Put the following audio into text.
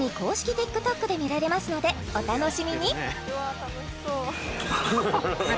ＴｉｋＴｏｋで見られますのでお楽しみに！